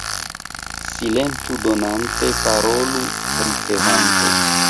Silentu donante, parolu ricevante.